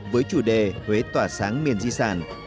với chủ đề huế tỏa sáng miền di sản